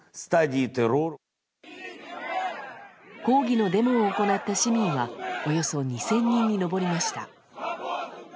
抗議のデモを行った市民はおよそ２０００人に上りました。